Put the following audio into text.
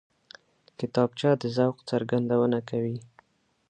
کتابچه د ذوق څرګندونه کوي